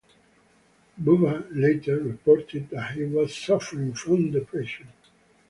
Bubba later reported that he was suffering from depression.